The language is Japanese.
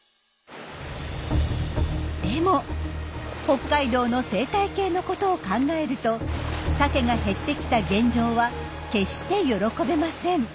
でも北海道の生態系のことを考えるとサケが減ってきた現状は決して喜べません。